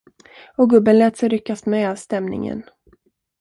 Och gubben lät sig ryckas med av stämningen.